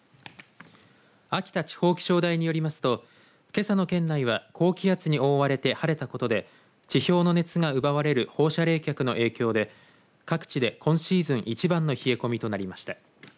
秋田地方気象台によりますとけさの県内は高気圧に覆われて晴れたことで地表の熱が奪われる放射冷却の影響で各地で今シーズン一番の冷え込みになりました。